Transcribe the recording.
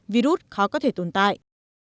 virus khó có thể tồn tại